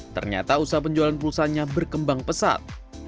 ternyata usaha penjualan pulsanya berkembang pesat